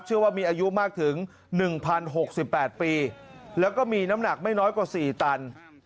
เชื่อว่ามีอายุมากถึง๑๐๖๘ปีแล้วก็มีน้ำหนักไม่น้อยกว่า๔ตัน